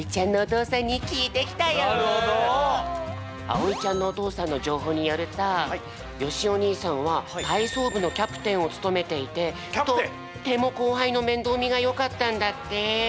あおいちゃんのおとうさんの情報によるとよしお兄さんは体操部のキャプテンをつとめていてとっても後輩のめんどうみがよかったんだって。